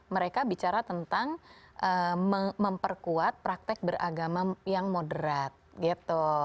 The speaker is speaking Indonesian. mereka bicara tentang memperkuat praktek beragama yang moderat gitu